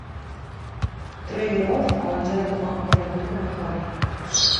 Troy Grove abans era conegut com Homer.